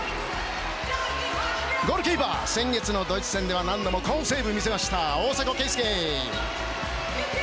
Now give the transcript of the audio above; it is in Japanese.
ゴールキーパー先月のドイツ戦では何度も好セーブを見せた大迫敬介。